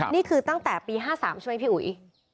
นี่คือตั้งแต่ปี๕๓ใช่ไหมพี่อุ๋ย